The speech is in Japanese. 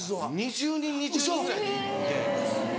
２０人２０人ぐらいで行って。